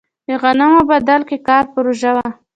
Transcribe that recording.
د غنمو بدل کې کار پروژه وه.